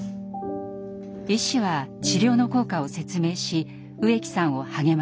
医師は治療の効果を説明し植木さんを励まします。